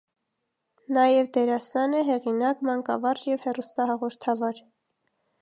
Նաև դերասան է, հեղինակ, մանկավարժ և հեռուստահաղորդավար։